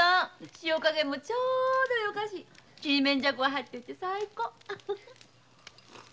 塩加減もちょうど良かしちりめんじゃこが入ってて最高！